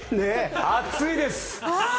熱いです。